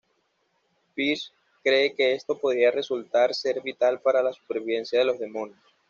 Pearse cree que esto podría resultar ser vital para la supervivencia de los demonios.